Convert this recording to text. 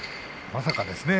まさかですね。